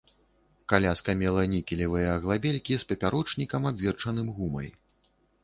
Каляска мела нікелевыя аглабелькі з папярочнікам, абверчаным гумай.